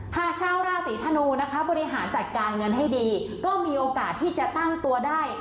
หากชาวราศีธนูนะคะบริหารจัดการเงินให้ดีก็มีโอกาสที่จะตั้งตัวได้